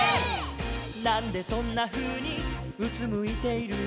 「なんでそんなふうにうつむいているの」